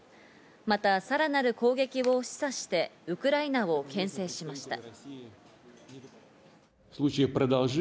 また、さらなる攻撃を示唆してウクライナをけん制しました。